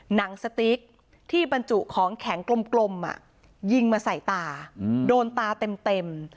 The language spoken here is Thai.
หนังสติ๊กที่บรรจุของแข็งกลมยิงมาใส่ตาโดนตาเต็ม